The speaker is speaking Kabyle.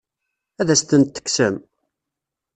Ad as-tent-tekksem?